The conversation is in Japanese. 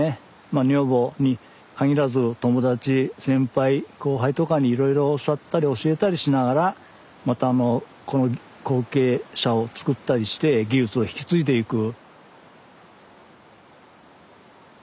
まあ女房にかぎらず友達先輩後輩とかにいろいろ教わったり教えたりしながらまたこの後継者をつくったりして技術を引き継いでいく。